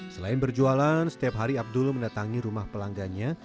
selain berjualan setiap hari abdul mendatangi rumah pelanggannya